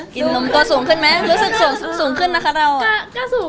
นมตัวสูงขึ้นไหมรู้สึกสูงขึ้นนะคะเราสูง